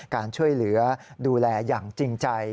การช่วยเหลือดูแลอย่างจริงใจ